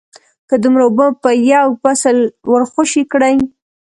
که دومره اوبه په یو فصل ورخوشې کړې